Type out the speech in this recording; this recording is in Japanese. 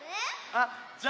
あっじゃ